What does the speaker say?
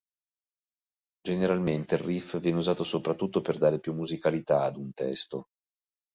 Generalmente il riff viene usato soprattutto per dare più musicalità ad un testo.